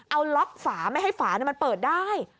เอาล็อกฝาไม่ให้ฝามันเปิดได้